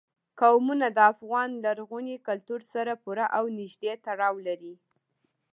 قومونه د افغان لرغوني کلتور سره پوره او نږدې تړاو لري.